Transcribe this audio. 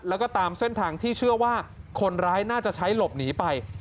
แล้วก็ตามเส้นทางที่เชื่อว่าคนร้ายน่าจะใช้หลบหนีไป